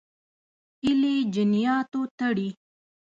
هیلې جنیاتو تړي.